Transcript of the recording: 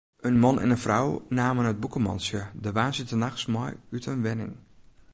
In man en in frou namen it bûkemantsje de woansdeitenachts mei út in wenning.